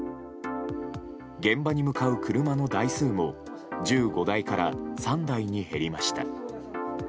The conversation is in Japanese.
現場に向かう車の台数も１５台から３台に減りました。